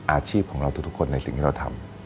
อาชีพของเราทุกคนในสิ่งที่เราทำ